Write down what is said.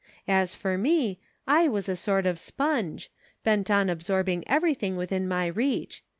As for me, I was a sort of sponge, bent on absorbing everything within my reach.